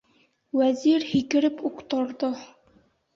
Вәзир һикереп үк торҙо: